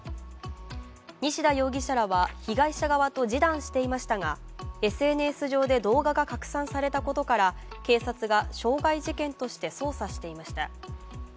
西田容疑者らは被害者側と示談していましたがＳＮＳ上で動画が拡散されたことから警察が傷害事件として捜査していました。